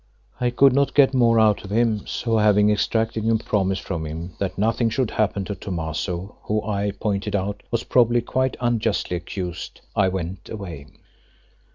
I could get no more out of him, so having extracted a promise from him that nothing should happen to Thomaso who, I pointed out, was probably quite unjustly accused, I went away.